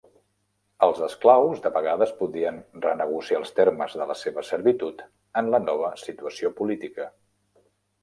Els esclaus de vegades podien renegociar els termes de la seva servitud en la nova situació política.